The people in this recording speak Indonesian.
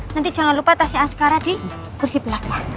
nanti jangan lupa tasnya askara di kursi belakang